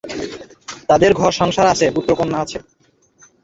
তাঁদের ঘর-সংসার আছে, পুত্রকন্যা আছে।